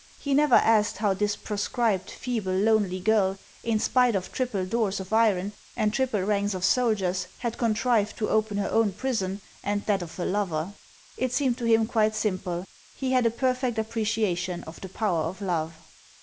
He never asked how this proscribed, feeble, lonely girl, in spite of triple doors of iron and triple ranks of soldiers, had contrived to open her own prison and that of her lover ; it seemed to him quite simple ; he had a perfect appreciation of the power of love.